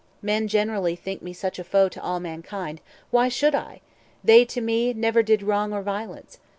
Men generally think me much a foe To all mankind. Why should I? they to me Never did wrong or violence.